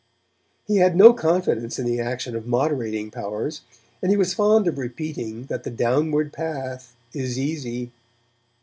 He had no confidence in the action of moderating powers, and he was fond of repeating that the downward path is easy.